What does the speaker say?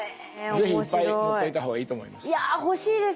是非いっぱい持っといた方がいいと思います。